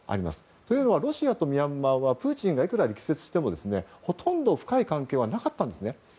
というのはロシアとミャンマーはプーチンがいくら力説してもほとんど深い関係はなかったんですね。